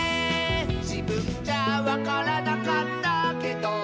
「じぶんじゃわからなかったけど」